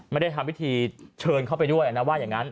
ไม่ได้ทำพิธีเชิญเข้าไปด้วย